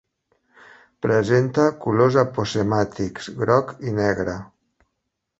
Presenta colors aposemàtics, groc i negre.